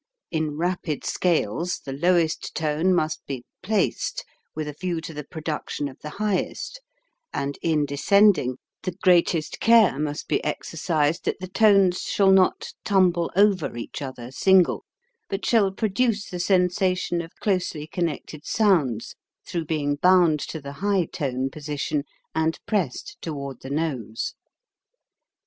In rapid scales the lowest tone must be " placed " with a view to the production of the highest, and in descending, the greatest care must be exer cised that the tones shall not tumble over each other single, but shall produce the sen sation of closely connected sounds, through being bound to the high tone position and pressed toward the nose.